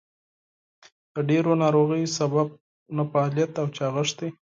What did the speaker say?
د ډېرو ناروغیو سبب نهفعاليت او چاغښت دئ.